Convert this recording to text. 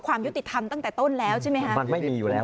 ความยุติธรรมตั้งแต่ต้นแล้วใช่ไหมฮะ